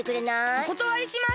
おことわりします！